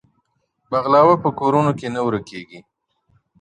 بغلاوه په کورونو کي نه ورکېږي.